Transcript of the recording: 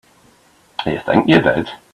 You think you did.